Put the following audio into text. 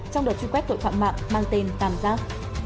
trong đợt truy quét tội phạm mạng mang tên tam giác